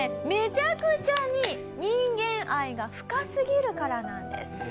めちゃくちゃに人間愛が深すぎるからなんです。